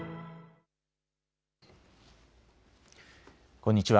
こんにちは。